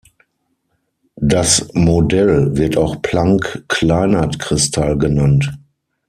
Das Modell wird auch Planck-Kleinert-Kristall genannt.